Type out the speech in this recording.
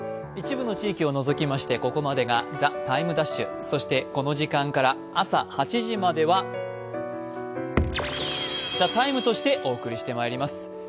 一部の地域を除きましてここまでが「ＴＩＭＥ’」そしてこの時間から朝８時までは「ＴＨＥＴＩＭＥ，」としてお送りしてまいります。